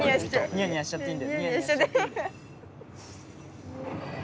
ニヤニヤしちゃっていい。